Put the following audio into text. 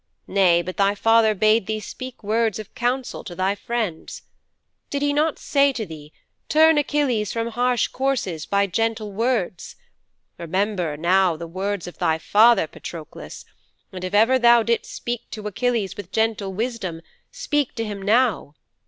Nay, but thy father bade thee spake words of counsel to thy friend. Did he not say to thee 'turn Achilles from harsh courses by gentle words'? Remember now the words of thy father, Patroklos, and if ever thou did'st speak to Achilles with gentle wisdom speak to him now.